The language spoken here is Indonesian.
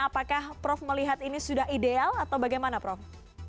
apakah prof melihat ini sudah ideal atau bagaimana prof